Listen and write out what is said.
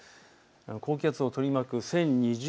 高気圧を取り巻く１０２０